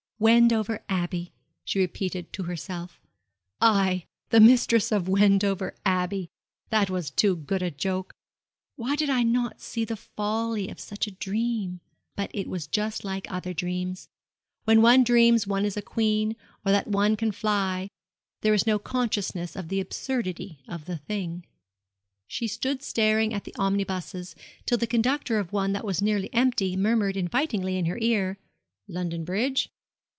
'Wendover Abbey!' she repeated to herself. I the mistress of Wendover Abbey! That was too good a joke, 'Why did I not see the folly of such a dream? But it was just like other dreams. When one dreams one is a queen, or that one can fly, there is no consciousness of the absurdity of the thing.' She stood staring at the omnibuses till the conductor of one that was nearly empty murmured invitingly in her ear, 'London Bridge?'